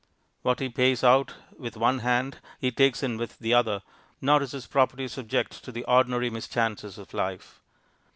What he pays out with one hand, he takes in with the other. Nor is his property subject to the ordinary mischances of life.